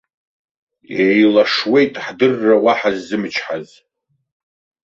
Еилашуеит ҳдырра уаҳа ззымчҳаз.